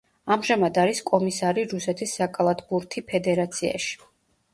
ამჟამად არის კომისარი რუსეთის საკალათბურთი ფედერაციაში.